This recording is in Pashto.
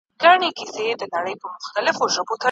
د بېګانه وو مزدوران دي په پیسو راغلي